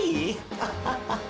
アハハハ。